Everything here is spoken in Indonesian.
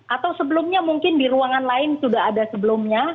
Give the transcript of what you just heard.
atau sebelumnya mungkin di ruangan lain sudah ada sebelumnya